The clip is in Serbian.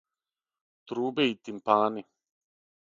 Трубе и тимпани.